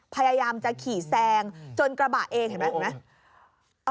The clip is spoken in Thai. พยายามจะขี่แซงจนกระบะเองเห็นไหม